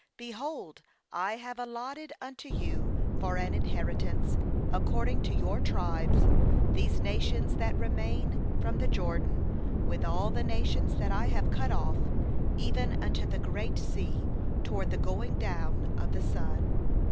be hold, I have allotted unto you for an inheritance, according to your tribes, these nations that remain, from the Jordan, with all the nations that I have cut off, even unto the Great Sea toward the going down of the sun.